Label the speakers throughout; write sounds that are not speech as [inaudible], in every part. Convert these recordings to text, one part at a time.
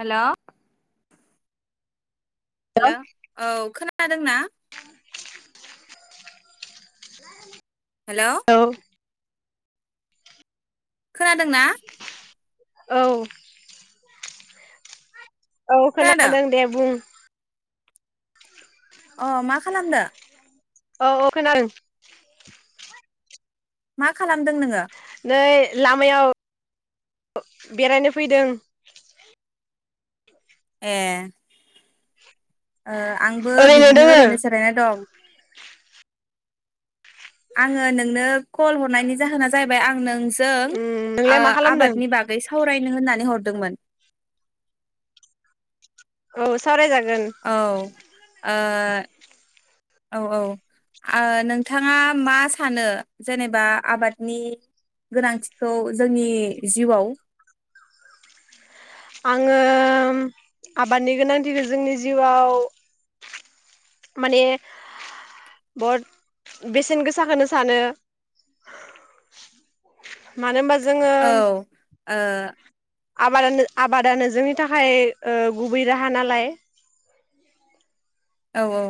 Speaker 1: हेल हेल औ खोना [unintelligible] दोंना? हेल
Speaker 2: औ
Speaker 1: खोनादोंना?
Speaker 2: औ। औ खोनादों दे बुं
Speaker 1: अ मा खालामदो?
Speaker 2: औ औ खोनादों।
Speaker 1: मा खालामदों नोङो?
Speaker 2: नै लामायाव [inaudible] बेरायनो फैदों।
Speaker 1: ए ओ आंबो
Speaker 2: ओरैनो
Speaker 1: बिदिनो
Speaker 2: दोङो
Speaker 1: ओरैनो जिरायना दं। आङो नोंनो कल हरनायनि जाहोना जाहैबाय आं नों जों
Speaker 2: उम
Speaker 1: ओ
Speaker 2: नोंलाय मा खालामदों
Speaker 1: आबादनि बागै सावरायनो होननानै हर दोंमोन।
Speaker 2: औ सावराय जा
Speaker 1: औ ओ औ औ ओ नोंथाङा मा सानो जेनेबा आबादनि गोनांथिखौ जोंनि जिउआव?
Speaker 2: आङो आबादनि गोनांथिखौ जोंनि जिउआव माने बहत बेसेन गोसा खोनो सानो मानो होमबा
Speaker 1: औ ओ
Speaker 2: आबादानो आबादानो जोंनि थाखाय ओ गुबै राहा नालाय।
Speaker 1: औ औ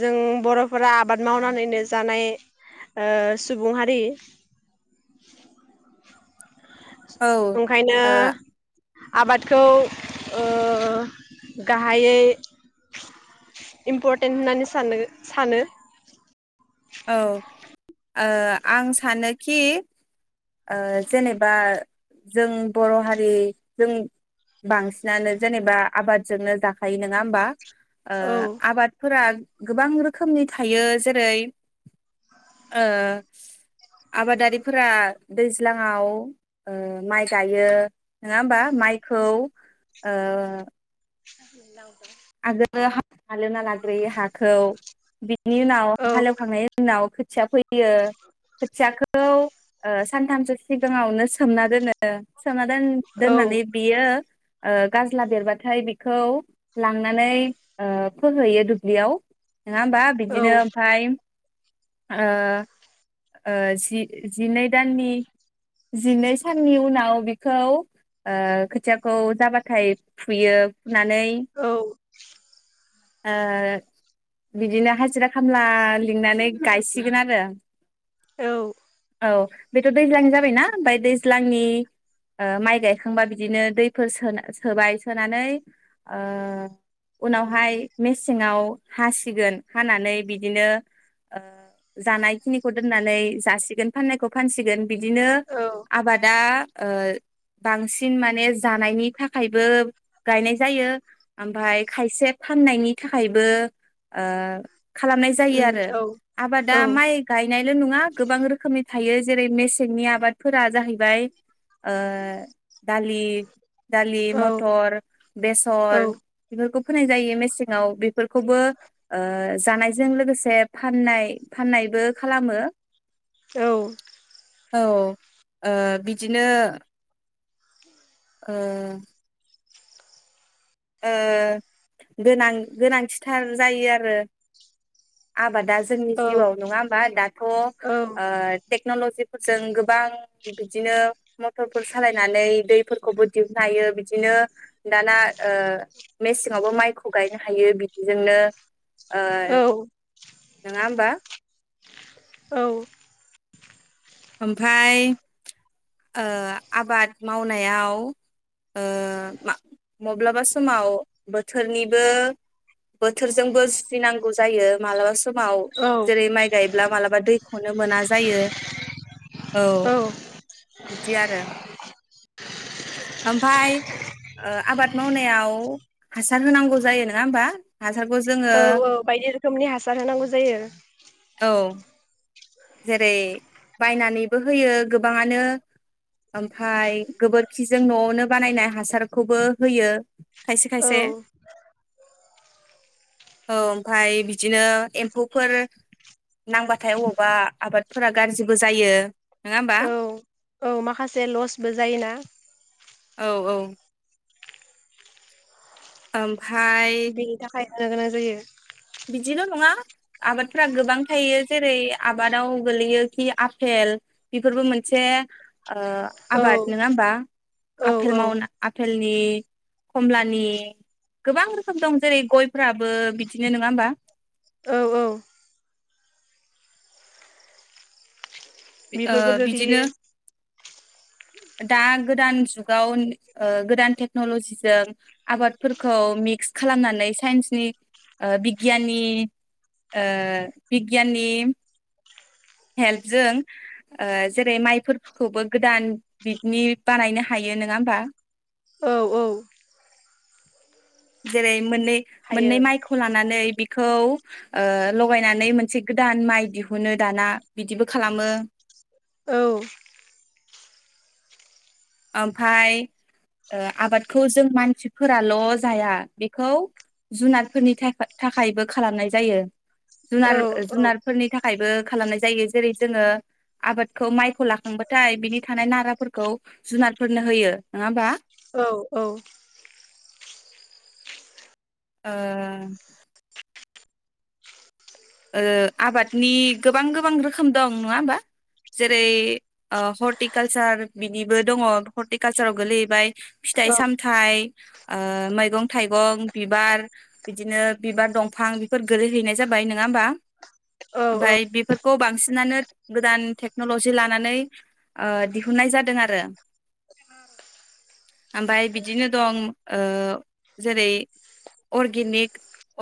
Speaker 2: जों बर'फोरा आबाद मावनानैनो जानाय ओ सुबुं हारि
Speaker 1: औ
Speaker 2: ओंखायनो
Speaker 1: ओ
Speaker 2: आबादखौ ओ गाहायै इम्पर्टेन्ट होननानै सानो सानो।
Speaker 1: औ ओ आं सानोखि ओ जेनेबा जों बर' हारि जों बांसिनानो जेनेबा आबादजोंनो जाखायो नोङा होमबा। ओ
Speaker 2: औ
Speaker 1: आबादफोरा गोबां रोखोमनि थायो जेरै ओ आबादारिफोरा दैज्लांआव ओ माइ गायो नोङा होमबा माइखौ ओ
Speaker 2: नावदा
Speaker 1: आगोलो हा-हालौना लाग्रोयो हाखौ बि नि उनाव
Speaker 2: औ
Speaker 1: हालेवखांनायनि उनाव थिया फोयो खोथियाखौ ओ सानथामसो सिगाङावनो सोमना दोनो। सोमना
Speaker 2: औ
Speaker 1: दोन-दोननानै बियो ओ गाज्ला बेरबाथाय बिखौ लांनानै ओ फोहैयो दुब्लियाव। नोङा होमबा बिदिनो ओमफाय ओ ओ जि-जिनै दाननि जिनै साननि उनाव बिखौ ओ खोथियाखौ जाबाथाय फुयो फुनानै
Speaker 2: औ
Speaker 1: ओ बिदिनो हाजिरा खामला लिंनानै गायसिगोन आरो।
Speaker 2: औ
Speaker 1: औ बेथ' दैज्लांनि जाबायना ओमफाय दैज्लांनि ओ माइ गायखांबा बिदिनो दैफोर सोन सोबाय सोनानै ओ उनावहाय मेसेंआव हासिगोन हानानै बिदिनो ओ जानाय खिनिखौ दोननानै जासिगोन फाननायखौ फानसिगोन बिदिनो
Speaker 2: औ
Speaker 1: आबादा ओ बांसिन माने जानायनि थाखायबो गायनाय जायो। ओमफाय खायसे फाननायनि थाखायबो ओ खालामनाय जायो
Speaker 2: उम
Speaker 1: आरो
Speaker 2: औ
Speaker 1: आबादा
Speaker 2: औ
Speaker 1: माइ गायनाय लो नङा गोबां रोखोमनि थायो। जेरै मेसेंनि आबादफोरा जाहैबाय ओ दालि दालि
Speaker 2: औ
Speaker 1: मटर बेसर
Speaker 2: औ
Speaker 1: बेफोरखौ फोनाय जायो मेसेंआव बेफोरखौबो ओ जानायजों लोगोसे फाननाय फाननायबो खालामो
Speaker 2: औ
Speaker 1: औ ओ बिदिनो ओ ओ गोनां गोनांथिथार जायो आरो आबादा जोंनि
Speaker 2: औ
Speaker 1: जिउआव नङा होमबा दाथ ओ टेक्नलजिफोरजों गोबां बिदिनो मथरफोर सालायनानै दैफोरखौबो दिहुननो हायो बिदिनो दाना ओ मेसेङावबो माइखौ गायनो हायो बिदिजोंनो ओ नोङा ओमबा
Speaker 2: औ
Speaker 1: ओमफाय ओ आबाद मावनायाव ओ मा मब्लाबा समाव बोथोरनिबो बोथोरजोंबो जुजिनांगौ जायो मालाबा समाव
Speaker 2: औ
Speaker 1: जेरै माइ गायब्ला मालाबा दैखौनो मोना जायो औ बिदि आरो ओमफाय ओ आबाद मावनायाव हासार होनांगौ जायो नङा होमबा हासारखौ जोङो
Speaker 2: औ औ बायदि रोखोमनि हासार होनांगौ जायो
Speaker 1: औ जेरै बायनानैबो होयो गोबाङानो ओमफाय गोबोरखिजों नआवनो बानायनाय हासारखौबो होयो खायसे
Speaker 2: औ
Speaker 1: खायसे औ ओमफाय बिदिनो एम्फौफोर नांबाथाय अ माबा आबादफोरा गाज्रिबो जायो नोंङा होनबा
Speaker 2: औ औ माखासे लसबो जायोना
Speaker 1: औ औ ओम
Speaker 2: बेनि थाखाय जानो गोनां जायो
Speaker 1: बिदिल नङा आबादफ्रा गोबां थायो जेरै आबादाव गोलैयोखि आफेल बेफोरबो मोनसे ओ
Speaker 2: औ
Speaker 1: आबाद नङा होमबा
Speaker 2: औ
Speaker 1: आफेल
Speaker 2: औ
Speaker 1: मावना आफेलनि कमलानि गोबां रोखोम दं जेरै गयफ्राबो बिदि नो नोङा होमबा
Speaker 2: औ औ
Speaker 1: ओ
Speaker 2: बेफोरबो
Speaker 1: बिदिनो
Speaker 2: गोग्लैयो
Speaker 1: दा गोदान जुगाव ओ गोदान टेक्नलजिजों आबादफोरखौ मिक्स खालामनानै साइन्सनि ओ बिगियाननि ओ बिगियाननि हेल्पजों ओ जेरै माइफोरखौबो गोदान बिदनि बानायनो हायो नङा होमबा
Speaker 2: औ औ
Speaker 1: जेरै मोननै
Speaker 2: हायो
Speaker 1: मोननै माइखौ लानानै बिखौ ओ लगायनानै मोनसे गोदान माइ दिहुनो दाना बिदिबो खालामो।
Speaker 2: औ
Speaker 1: ओमफाय ओ आबादखौ जों मानसिफोराल जाया बेखौ जुनारफोरनि थाखाय थाखायबो खालामनाय जायो जुनार
Speaker 2: औ
Speaker 1: जुनारफोरनि थाखायबो खालामनाय जायो जेरै जोङो आबादखौ माइखौ लाखांबथाय बिनि थानाय नाराफोरखौ जुनारफोरनो होयो नङाहोमबा।
Speaker 2: औ औ।
Speaker 1: ओ। ओ आबादनि गोबां गोबां रोखोम दं नङा होमबा जेरै ओ हर्टिकालसार बिनिबो दङ हर्टिकालसाराव गोलैहैबाय फिथाइ
Speaker 2: औ
Speaker 1: सामथाइ ओ मैगं थाइगं बिबार बिदिनो बिबार दंफां बेफोर गोलैहैनाय जाबाय न नङा होमबा
Speaker 2: औ
Speaker 1: ओमफ्राय बेफोरखौ बांसिनानो गोदान टेक्नलजि लानानै ओ दिहुननाय जादों आरो ओमफ्राय बिदिनो दं ओ जेरै अरगेनिक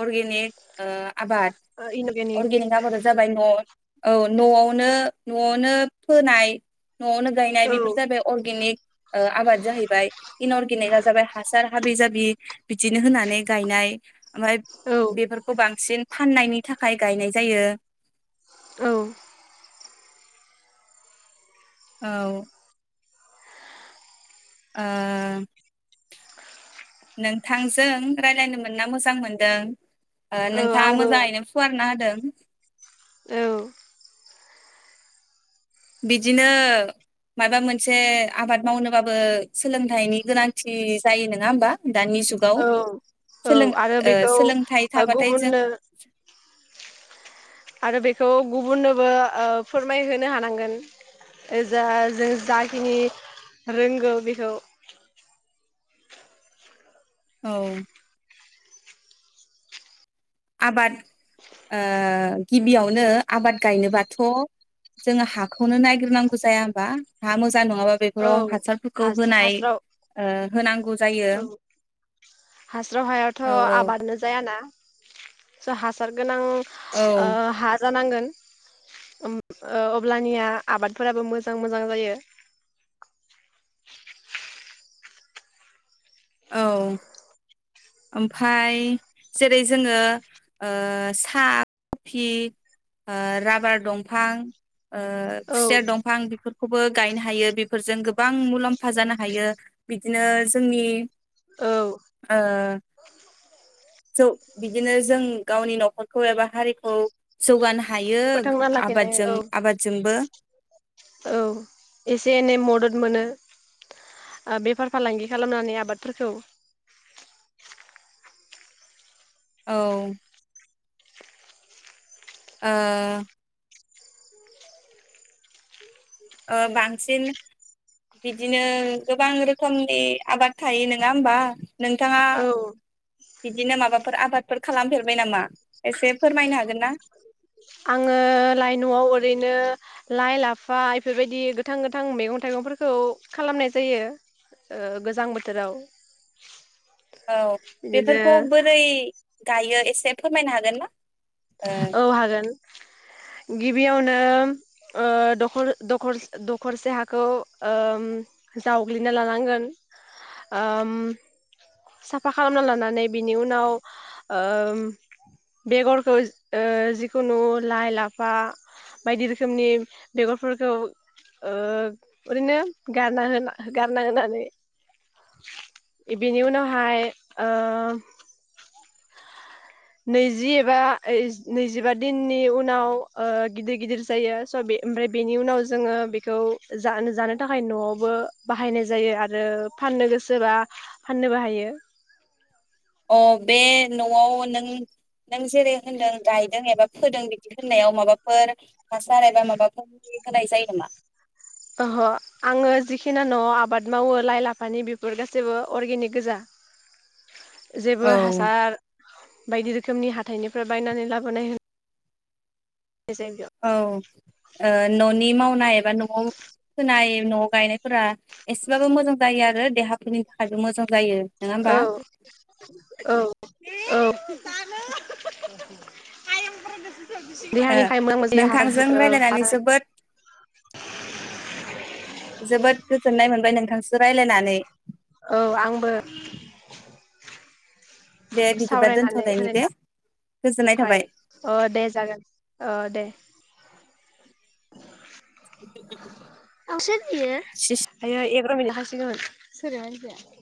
Speaker 1: अरगेनिक ओ आबाद।
Speaker 2: ओ इनभेनिग।
Speaker 1: अर्गेनिक आबादा जाबाय न औ नआवनो नआवनो फोनाय नआवनो गायनाय
Speaker 2: औ
Speaker 1: बेफोर जाबाय अरगेनिक ओ आबाद जाहैबाय इन अरगेनिकआ जाबाय हासार हाबि जाबि बिदिनो होनानै गायनाय ओमफ्राय
Speaker 2: औ
Speaker 1: बेफोरखौ बांसिन फाननायनि थाखाय थाखाइ गायनाय जायो।
Speaker 2: औ
Speaker 1: औ। ओ। नोंथांजों रायलायनो मोनना मोजां मोनदों। ओ नोंथाङा
Speaker 2: आंबो औ
Speaker 1: मोजाङैनो फुवारना होद दों।
Speaker 2: औ
Speaker 1: बिदिनो माबा मोनसे आबाद मावनोबाबो सोलोंथाइनि गोनांथि जायो नङा होमबा दानि जुगाव।
Speaker 2: औ
Speaker 1: सोलों
Speaker 2: आरो
Speaker 1: ओ
Speaker 2: बेखौ
Speaker 1: सोलोंथाइ
Speaker 2: ओ
Speaker 1: थाबाथाय जों
Speaker 2: गुबुननो आरो बेखौ गुबुननोबो ओ फोरमायहोनो हानांगोन ओ जा जों जाखिनि रोंगौ बेखौ।
Speaker 1: औ। आबाद ओ गिबियावनो आबाद गायनोबाथ जोङो हाखौनो नायग्रोनांगौ जाया होबा हा मोजां नङाबा
Speaker 2: औ
Speaker 1: बेफोराव हासार
Speaker 2: हास हास्राव
Speaker 1: जायो
Speaker 2: औ हास्राव हायावथ
Speaker 1: औ औ
Speaker 2: आबादनो जायाना। स हासार गोनां ओ
Speaker 1: औ
Speaker 2: हाथ जानांगोन ओम ओ अब्लानिया आबादफोराबो मोजां मोजां जायो।
Speaker 1: औ ओमफाय जेरै जोङो ओ सा कफि ओ राबार दंफां ओ
Speaker 2: औ
Speaker 1: खुसेर दंफां बेफोर खौबो गायनो हायो बेफोरजों गोबां मुलाम्फा जानो हायो बिदिनो जोंनि।
Speaker 2: औ
Speaker 1: ओ। बिदिनो जों गावनि न'खरखौ एबा हारिखौ जौगानो हायो। हायो
Speaker 2: फोथांना लाखिनाय
Speaker 1: आबादजों
Speaker 2: औ
Speaker 1: आबादजोंबो।
Speaker 2: औ एसे एनै मदद मोनो बेफार फालांगि खालामनानै आबादफोरखौ।
Speaker 1: औ। ओ। बांसिन बिदिनो गोबां रोखोमनि आबाद थायो नङा होमबा नोंथाङा
Speaker 2: औ
Speaker 1: बिदिनो माबाफोर आबादफोर खालामफेरबाय नामा एसे फोरमायनो हागोन ना।
Speaker 2: आङो लाइ नआव ओरैनो लाइ, लाफा बेफोरबायदि गोथां गोथां मैगं-थाइगंफोरखौ खालामनाय जायो गोजां बोथोराव।
Speaker 1: औ
Speaker 2: बिदिनो
Speaker 1: बेफोरखौ बोरै। गायो एसे फोरमायनो हागोन ना।
Speaker 2: औ हागोन। गिबियावनो दख दख दखरसे हाखौ जावग्लिना लानांगोन। साफा खालामना लानानै बिनि उनाव बेगरखौ जिखुनु लाइ लाफा बायदि रोखोमनि बेगरफोरखौ ओरैनो गारना गारना होनानै बेनि उनाव। हाय ओ। नैजि एबा नैजिबा दिननि उनाव ओ गिदिर गिदिर जायो स बे ओमफ्राय बेनि उनाव जोङो बेखौ जानो थाखाय नआवबो बाहायनाय जायो आरो फाननो गोसोबा फाननोबो हायो।
Speaker 1: अ बे न'आव नों नों जेरै होनदों गायदों एबा फोदों बिदि होननायाव माबाफोर हासार एबा माबाफोर होनाय जायो नामा?
Speaker 2: ओहो आङो जिखिनि न'आव आबाद मावो लाइ लाफानि बेफोर गासैबो अर्गेनिक गोजा।
Speaker 1: औ
Speaker 2: जेबो हासार बायदि रोखोमनि हाथाइनिफ्राय बायनानै लाबोनाय होनो
Speaker 1: औ ओ न' नि मावनाय एबा न'आव फोनाय न'आव गायनायफोरा एसेबाबो मोजां जायो आरो देहाफोरनि थाखायबो मोजां जायो। नङा
Speaker 2: औ
Speaker 1: होमबा
Speaker 2: औ औ। जानो [unintelligible]
Speaker 1: ओ नोंथांजों रायलायनानै
Speaker 2: औ
Speaker 1: जोबोद जोबोद गोजोननाय मोनबाय नों नोंसो रायलायनानै
Speaker 2: औ आंबो।
Speaker 1: दे बिदिबा
Speaker 2: सावरायनानै
Speaker 1: दोनथ'लायनि दे
Speaker 2: होनायनि
Speaker 1: गोजोननाय थाबाय
Speaker 2: [unintelligible] अ दे जागोन अ दे। [unintelligible] [unintelligible]